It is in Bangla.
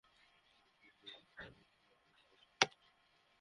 সুতরাং তুমি তোমার কাজ কর, আমরা আমাদের কাজ করি।